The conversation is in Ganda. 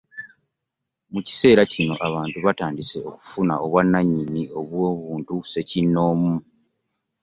Mu kiseera kino abantu batandise okufuna obwannannyini obw’omuntu ssekinnoomu.